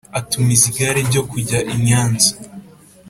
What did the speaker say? Atumiza igare ryo kujya i Nyanza,